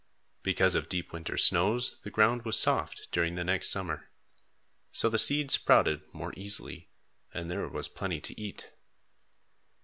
Because of deep winter snows, the ground was soft during the next summer. So the seed sprouted more easily and there was plenty to eat.